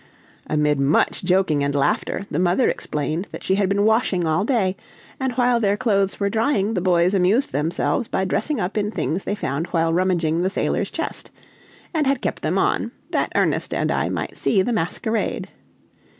Amid much joking and laughter, the mother explained that she had been washing all day, and while their clothes were drying, the boys amused themselves by dressing up in things they found while rummaging the sailor's chest, and had kept them on, that Ernest and I might see the masquerade.